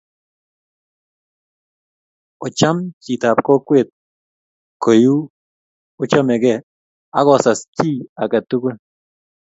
Ocham chit ap kokwet koyou ochamegi akosas chii agetukul